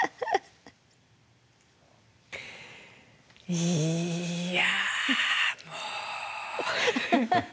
いやもう。